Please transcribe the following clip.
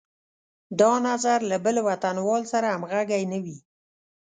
دا نظر له بل وطنوال سره همغږی نه وي.